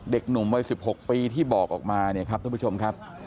เด็กหนุ่มวัย๑๖ปีที่บอกออกมาทุกผู้ชมครับ